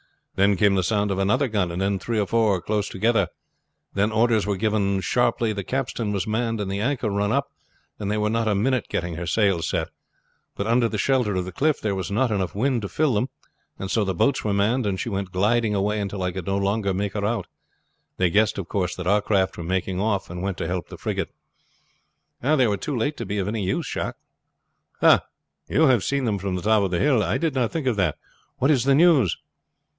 Then came the sound of another gun, and then three or four close together; then orders were given sharply, the capstan was manned and the anchor run up, and they were not a minute getting her sails set. But under the shelter of the cliff there was not enough wind to fill them, and so the boats were manned, and she went gliding away until I could no longer make her out. They guessed, of course, that our craft were making off, and went to help the frigate." "They were too late to be of any use, Jacques." "Ah! you have seen them from the top of the hill. I did not think of that. What is the news?"